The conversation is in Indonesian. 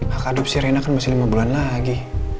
hak adopsi rina kan masih lima bulan lagi